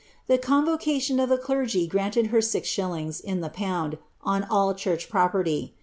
The convocation of the clergy granted her six shillings in the pound on all church property.